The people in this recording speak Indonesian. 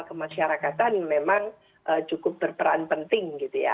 atau masyarakatan memang cukup berperan penting gitu ya